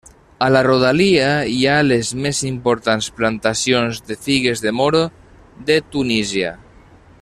A la rodalia hi ha les més importants plantacions de figues de moro de Tunísia.